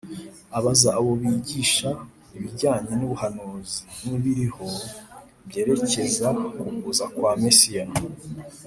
Abaza abo bigisha ibijyanye n’ubuhanuzi, n’ibiriho byerekeza ku kuza kwa Mesiya